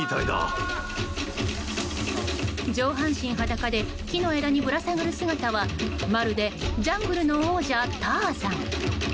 上半身裸で木の枝にぶら下がる姿はまるでジャングルの王者ターザン！